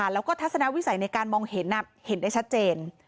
แล้วก็ทัศนวิสัยในการมองเห็นเห็นได้ชัดเจน